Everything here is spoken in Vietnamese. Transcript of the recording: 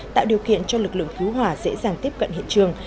tạo điều kiện cho lực lượng cứu hỏa dễ dàng tiếp cận hiện trường